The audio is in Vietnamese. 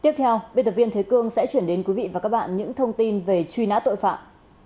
tiếp theo biên tập viên thế cương sẽ chuyển đến quý vị và các bạn những thông tin về truy nã tội phạm